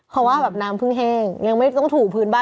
เพราะว่าแบบน้ำพึ่งแห้งยังไม่ต้องถูพื้นบ้าน